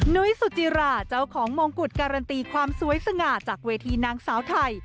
นุ้ยสุจิราเจ้าของมงกุฎการันตีความสวยสง่าจากเวทีนางสาวไทย